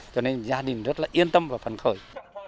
cho nên gia đình rất là yên tâm và phấn khởi